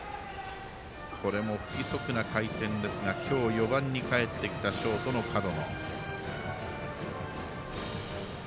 これも、不規則な回転ですが今日、４番に帰ってきたショートの門野。